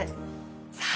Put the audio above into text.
さあ